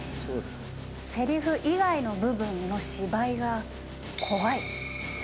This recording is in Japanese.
せりふ以外の部分の芝居が怖い。